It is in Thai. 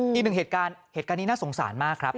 อีกหนึ่งเหตุการณ์เหตุการณ์นี้น่าสงสารมากครับ